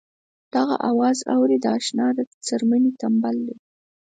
دغه اواز اورې د اشنا د څرمنې تمبل دی.